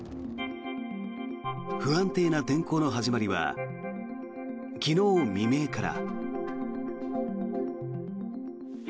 不安定な天候の始まりは昨日未明から。